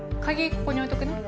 ここに置いとくね。